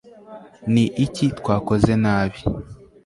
ni iki twakoze nabi